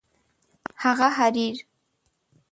هغه حریر